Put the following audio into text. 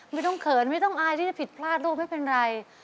เขินไม่ต้องอายที่จะผิดพลาดลูกไม่เป็นไร